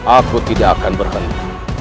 aku tidak akan berhenti